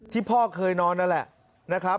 ที่พ่อเคยนอนนั่นแหละ